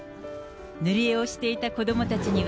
塗り絵をしていた子どもたちには。